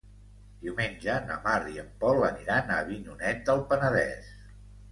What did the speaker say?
Diumenge na Mar i en Pol aniran a Avinyonet del Penedès.